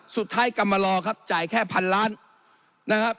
สุดท้ายกำมาลอครับจ่ายแค่พันล้านนะครับ